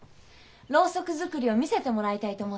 ろうそく作りを見せてもらいたいと思って。